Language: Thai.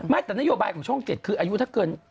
แต่นโยบายของช่อง๗คืออายุถ้าเกิน